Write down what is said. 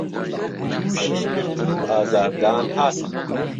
تووشی گرتن و ئازار دان هاتن